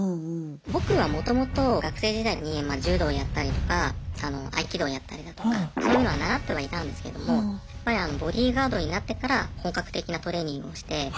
僕はもともと学生時代にまあ柔道やったりとか合気道やったりだとかそういうのは習ってはいたんですけどもやっぱりボディーガードになってから本格的なトレーニングをして。